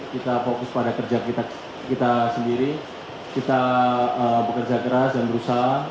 kita fokus pada kerja kita sendiri kita bekerja keras dan berusaha